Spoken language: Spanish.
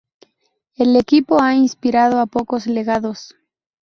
El equipo ha inspirado a pocos legados.